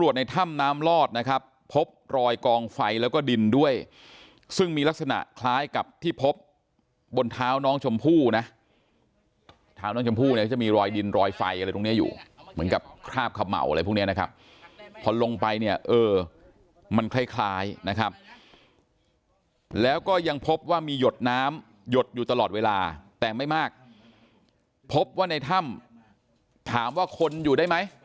ในถ้ำน้ำลอดนะครับพบรอยกองไฟแล้วก็ดินด้วยซึ่งมีลักษณะคล้ายกับที่พบบนเท้าน้องชมพู่นะเท้าน้องชมพู่เนี่ยจะมีรอยดินรอยไฟอะไรตรงเนี้ยอยู่เหมือนกับคราบเขม่าอะไรพวกนี้นะครับพอลงไปเนี่ยเออมันคล้ายคล้ายนะครับแล้วก็ยังพบว่ามีหยดน้ำหยดอยู่ตลอดเวลาแต่ไม่มากพบว่าในถ้ำถามว่าคนอยู่ได้ไหม